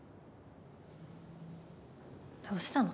どうしたの？